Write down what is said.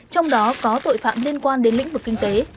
trong đó có tội phạm liên quan đến lĩnh vực kinh tế